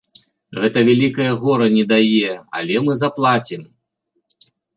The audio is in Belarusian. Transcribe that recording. Гэта вялікае гора не дае, але мы заплацім.